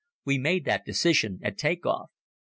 We made that decision at take off."